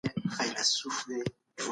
لويه جرګه د ټول هېواد مشران راټولوي.